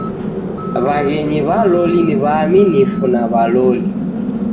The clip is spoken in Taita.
W'aghenyi w'a loli ni w'aamifu na w'a loli.